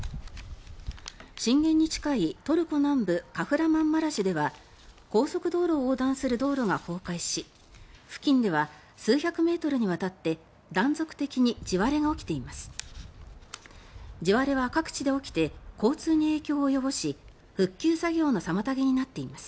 震源に近い、トルコ南部カフラマンマラシュでは高速道路を横断する道路が崩壊し付近では数百メートルにわたって断続的に地割れが起きています。